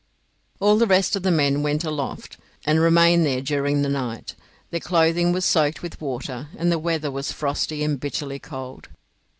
All the rest of the men went aloft, and remained there during the night. Their clothing was soaked with water, and the weather was frosty and bitterly cold.